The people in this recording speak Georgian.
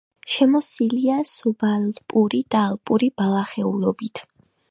შემოსილია სუბალპური და ალპური ბალახეულობით.